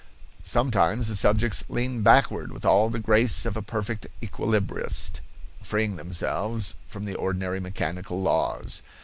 "Sometimes the subjects lean backward with all the grace of a perfect equilibrist, freeing themselves from the ordinary mechanical laws.